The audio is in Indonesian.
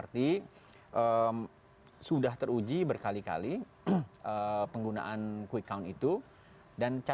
terima kasih pak bung kondi